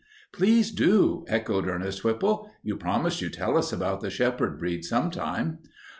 "Please do," echoed Ernest Whipple. "You promised you'd tell us about the shepherd breeds sometime."